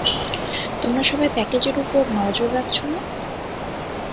তোমরা সবাই প্যাকেজ এর উপর নজর রাখছো না?